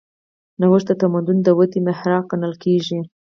نوښت د تمدن د ودې محرک ګڼل کېږي.